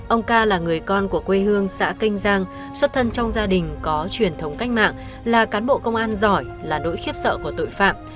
ông ca là người con của quê hương xã kênh giang xuất thân trong gia đình có truyền thống cách mạng là cán bộ công an giỏi là nỗi khiếp sợ của tội phạm